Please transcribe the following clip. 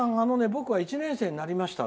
僕は１年生になりました」。